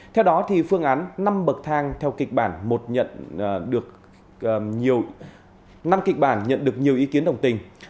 theo đó phương án năm bậc thang theo kịch bản năm kịch bản nhận được nhiều ý kiến đồng tình